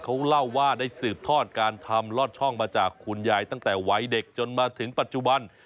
เขาเล่าว่าได้สืบทอดการทำลอดช่องมาจากคุณยายตั้งแต่วัยเด็กจนมาถึงปัจจุบัน